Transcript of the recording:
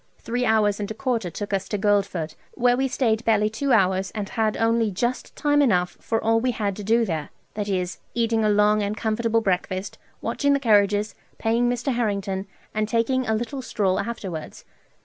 Three hours and a quarter took us to Guildford, where we staid barely two hours, and had only just time enough for all we had to do there; that is, eating a long and comfortable breakfast, watching the carriages, paying Mr. Harrington, and taking a little stroll afterwards.